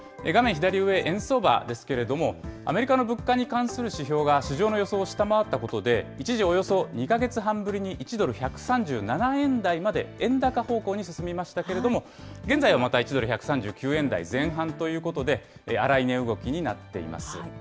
左上、円相場ですけれども、アメリカの物価に関する指標が市場の予想を下回ったことで、一時、およそ２か月半ぶりに１ドル１３７円台まで円高方向に進みましたけれども、現在はまた１ドル１３９円台前半ということで、荒い値動きになっています。